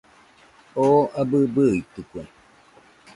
Oo abɨ bɨitɨkue